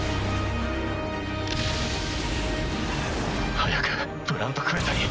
早くプラント・クエタに。